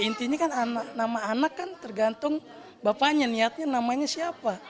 intinya kan nama anak kan tergantung bapaknya niatnya namanya siapa